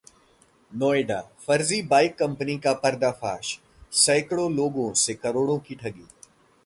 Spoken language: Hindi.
नोएडा: फर्जी बाइक कंपनी का पर्दाफाश, सैकड़ों लोगों से करोड़ों की ठगी